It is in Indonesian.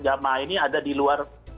jamaah ini ada di luar